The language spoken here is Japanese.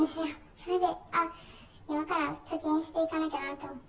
それで、あっ、今から貯金していかなきゃなって。